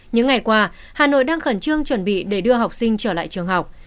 những ngày qua hà nội đang khẩn trương chuẩn bị để đưa học sinh trở lại trường học